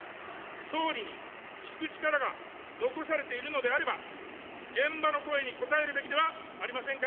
総理に聞く力が残されているのであれば、現場の声に応えるべきではありませんか。